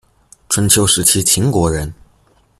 春秋时期秦国人。